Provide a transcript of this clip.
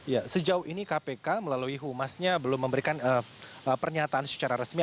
ya sejauh ini kpk melalui humasnya belum memberikan pernyataan secara resmi